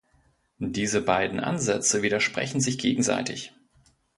Diese beiden Ansätze widersprechen sich gegenseitig.